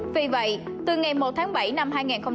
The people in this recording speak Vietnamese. vì vậy từ ngày một tháng bảy năm hai nghìn hai mươi